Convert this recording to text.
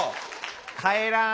帰らん。